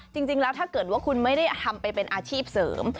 จริงแล้วถ้าเกิดว่าคุณไม่ได้ทำไปเป็นอาชีพเสริม